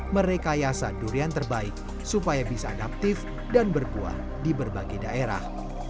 merekayasa durian terbaik supaya bisa adaptif dan berkuah di berbagai daerah